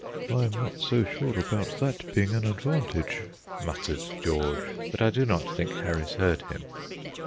"I'm not so sure about that being an advantage," muttered George. But I do not think Harris heard him.